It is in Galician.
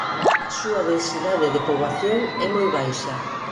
A súa densidade de poboación é moi baixa.